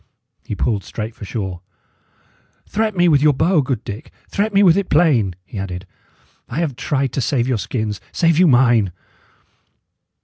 He pulled straight for shore. "Threat me with your bow, good Dick; threat me with it plain," he added. "I have tried to save your skins, save you mine!"